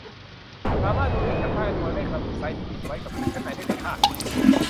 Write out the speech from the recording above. สามารถดูได้จากป้ายตัวเลขระบุไซซ์ที่ติดไว้กับชุดชั้นในได้เลยค่ะ